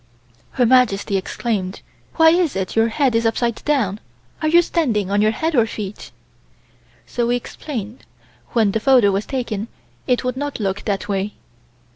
Her Majesty exclaimed: "Why is it your head is upside down? Are you standing on your head or feet?" So we explained when the photo was taken it would not look that way.